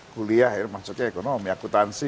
kuliah maksudnya ekonomi akutansi